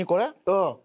うん。